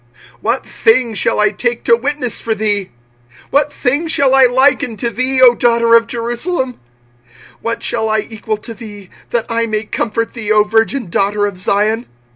25:002:013 What thing shall I take to witness for thee? what thing shall I liken to thee, O daughter of Jerusalem? what shall I equal to thee, that I may comfort thee, O virgin daughter of Zion?